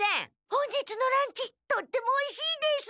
本日のランチとってもおいしいです！